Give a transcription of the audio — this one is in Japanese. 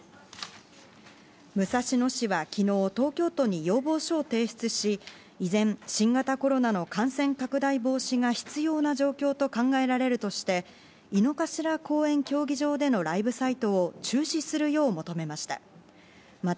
武蔵野市は昨日、東京都に要望書を提出し、依然、新型コロナウイルスの感染拡大防止が必要な状況と考えられるとして、井の頭公園競技場でのライブサイトを中止するよう求めました。